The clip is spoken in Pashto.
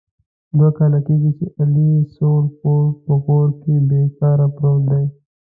دوه کال کېږي چې علي سوړ پوړ په کور کې بې کاره پروت دی.